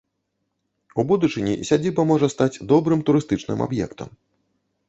У будучыні сядзіба можа стаць добрым турыстычным аб'ектам.